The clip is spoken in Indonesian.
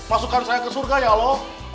masukkan saya ke surga ya allah